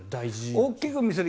大きく見せる。